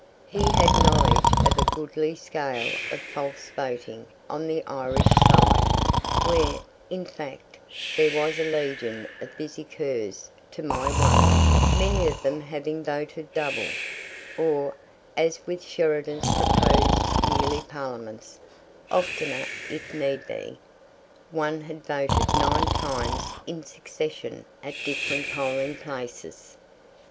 He had knowledge of a goodly scale of false voting on the Irish side, where, in fact, there was a legion of busy Kerrs to my one, many of them having voted double, or, as with Sheridan's proposed yearly Parliaments, "oftener if need be." One had voted nine times in succession at different polling places.